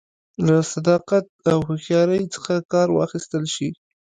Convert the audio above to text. له صداقت او هوښیارۍ څخه کار واخیستل شي